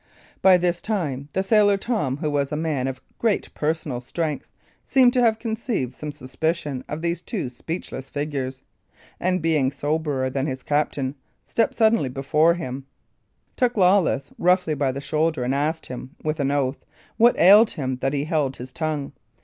By this time the sailor, Tom, who was a man of great personal strength, seemed to have conceived some suspicion of these two speechless figures; and being soberer than his captain, stepped suddenly before him, took Lawless roughly by the shoulder, and asked him, with an oath, what ailed him that he held his tongue.